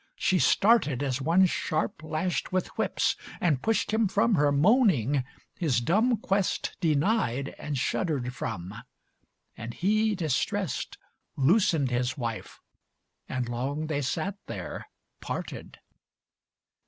She started As one sharp lashed with whips, And pushed him from her, moaning, his dumb quest Denied and shuddered from. And he, distrest, Loosened his wife, and long they sat there, parted.